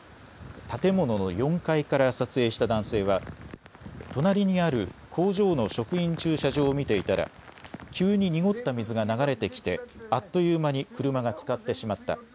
建物の４階から撮影した男性は隣にある工場の職員駐車場を見ていたら急に濁った水が流れてきて、あっという間に車がつかってしまった。